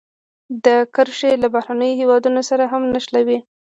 دا کرښې له بهرنیو هېوادونو سره هم نښلوي.